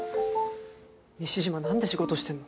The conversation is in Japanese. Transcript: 西島なんで仕事してんの？